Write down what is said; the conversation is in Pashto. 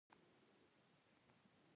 د لوبیا ګل د شکر لپاره وکاروئ